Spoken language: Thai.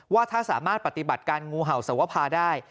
ว่าถ้าสามารถปฏิบัติการงูเห่าสวภาได้